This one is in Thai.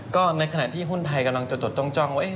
ก็ในขณะที่หุ้นไทยกำลังจะตรวจต้องจ้องว่า